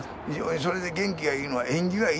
それで元気がいいのは縁起がいいと。